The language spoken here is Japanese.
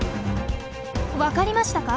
分かりましたか？